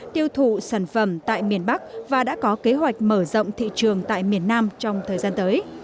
tiêu thụ sản phẩm tại miền bắc và đã có kế hoạch mở rộng thị trường tại miền nam trong thời gian tới